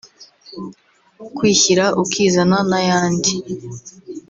kwishyira ukizana n’ayandi